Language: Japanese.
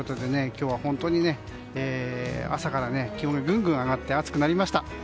今日は本当に朝から気温がぐんぐん上がって暑くなりました。